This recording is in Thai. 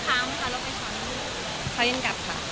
เขาก็ยิ่งกลับค่ะ